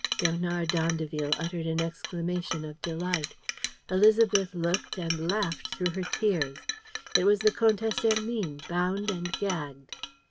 Bernard d'Andeville uttered an exclamation of delight. Élisabeth looked and laughed through her tears. It was the Comtesse Hermine, bound and gagged.